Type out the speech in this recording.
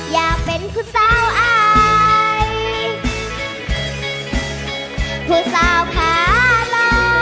อยากเป็นผู้สาวอายผู้สาวขาหล่อ